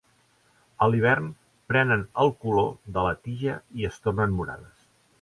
A l'hivern prenen el color de la tija i es tornen morades.